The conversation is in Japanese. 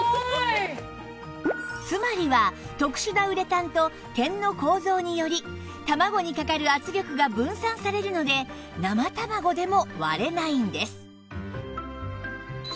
つまりは特殊なウレタンと点の構造により卵にかかる圧力が分散されるので生卵でも割れないんです